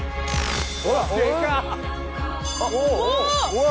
うわ。